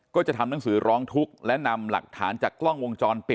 ก็จะทำหนังสือร้องทุกข์และนำหลักฐานจากกล้องวงจรปิด